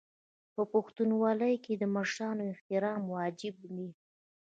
په پښتونولۍ کې د مشرانو احترام واجب دی.